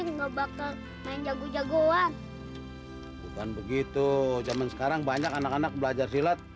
ini ngebakar main jago jagoan bukan begitu zaman sekarang banyak anak anak belajar silat